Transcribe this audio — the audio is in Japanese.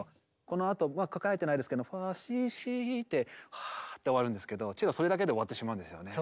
このあと書かれてないですけど「ファシシ」ってはぁって終わるんですけどチェロそれだけで終わってしまうんですよね。